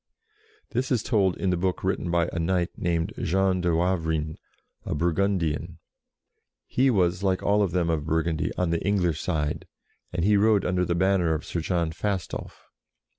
This is told in the book written by a knight named Jean de Wav rin, a Burgundian. He was, like all of them of Burgundy, on the English side, and he rode under the banner of Sir John Fastolf.